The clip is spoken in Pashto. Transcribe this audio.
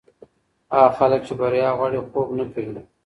هغه خلک چې بریا غواړي، خوب نه کوي.